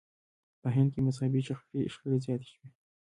په هند کې مذهبي شخړې زیاتې شوې.